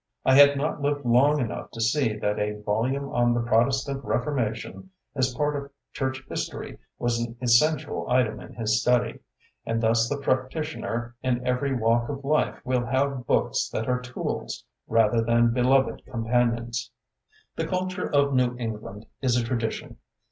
I had not lived long enough to see that a volume on the Protestant reformation as part of church history, was an essential item in his study. And thus the prac titioner in every walk of life will have books that are tools rather than be loved companions. The culture of New England is a tradition.